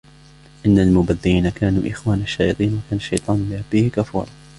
إن المبذرين كانوا إخوان الشياطين وكان الشيطان لربه كفورا